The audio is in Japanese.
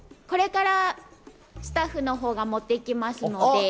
これからスタッフのほうが持ってきますので。